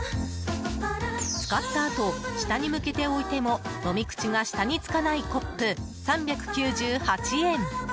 使ったあと下に向けて置いても飲み口が下につかないコップ３９８円。